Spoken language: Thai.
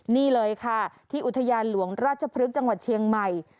นี่เลยค่ะที่อุทยานหลวงราชพฤกษ์จังหวัดเชียงใหม่